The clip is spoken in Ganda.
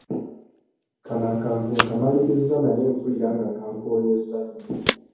Kano akantu nkamalirizza naye mpulira nga kankooyezza nnyo.